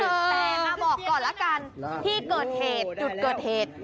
แต่มาบอกก่อนละกันที่เกิดเหตุจุดเกิดเหตุ